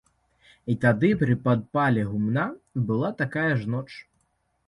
І тады, пры падпале гумна, была такая ж ноч.